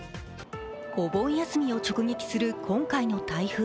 お盆休みを直撃する今回の台風。